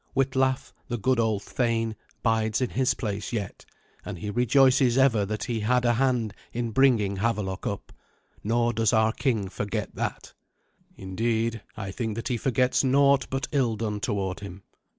Witlaf, the good old thane, bides in his place yet, and he rejoices ever that he had a hand in bringing Havelok up. Nor does our king forget that. Indeed, I think that he forgets naught but ill done toward him.